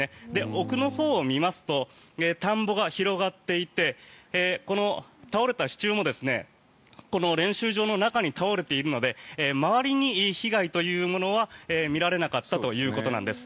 奥のほうを見ますと田んぼが広がっていてこの倒れた支柱も練習場の中に倒れているので周りに被害というものは見られなかったということなんです。